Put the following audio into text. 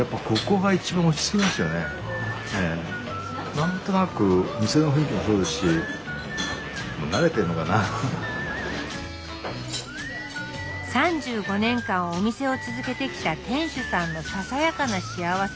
何となく３５年間お店を続けてきた店主さんの「ささやかな幸せ」は？